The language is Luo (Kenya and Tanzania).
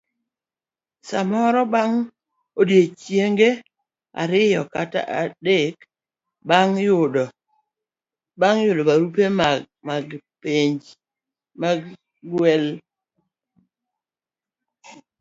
samoro bang' odiechienge ariyo kata adek bang' yudo barua mar gwelo ji.